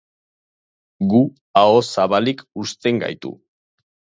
Gu aho zabalik uzten gaitu.